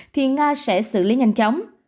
thì nga sẽ xử lý nhanh chóng